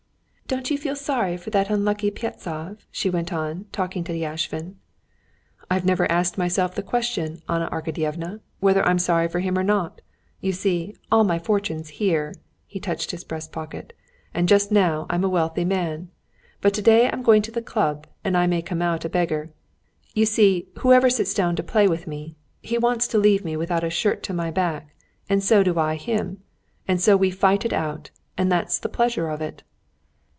"Don't you feel sorry for that unlucky Pyevtsov?" she went on, talking to Yashvin. "I've never asked myself the question, Anna Arkadyevna, whether I'm sorry for him or not. You see, all my fortune's here"—he touched his breast pocket—"and just now I'm a wealthy man. But today I'm going to the club, and I may come out a beggar. You see, whoever sits down to play with me—he wants to leave me without a shirt to my back, and so do I him. And so we fight it out, and that's the pleasure of it."